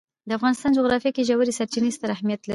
د افغانستان جغرافیه کې ژورې سرچینې ستر اهمیت لري.